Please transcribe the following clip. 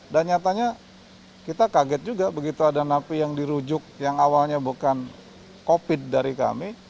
dan nyatanya kita kaget juga begitu ada napi yang dirujuk yang awalnya bukan covid dari kami